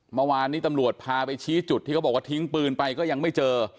เมื่อวานนี้ตำรวจพาไปชี้จุดที่เขาบอกว่าทิ้งปืนไปก็ยังไม่เจอ